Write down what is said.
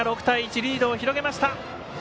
６対１リードを広げました。